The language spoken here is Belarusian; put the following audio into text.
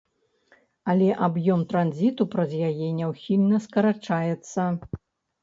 Але аб'ём транзіту праз яе няўхільна скарачаецца.